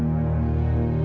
begini saja kek